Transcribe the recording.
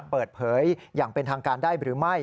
เปิดเผยอย่างเป็นทางการได้หรือไม่